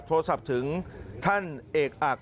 โทรศัพท์ถึงท่านเอกอัก